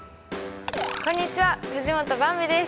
こんにちは藤本ばんびです。